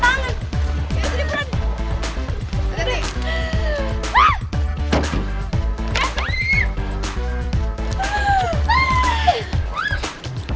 jangan jadi peran